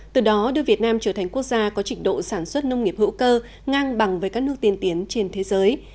từ đó đưa việt nam trở thành quốc gia có trịnh độ sản xuất nông nghiệp hữu cơ ngang bằng với các nước tiên tiến trên thế giới